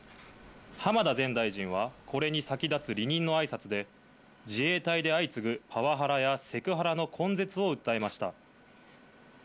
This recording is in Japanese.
浜田前大臣はこれに先立つ離任のあいさつで、自衛隊で相次ぐパワハラやセクハラの根絶を訴えました。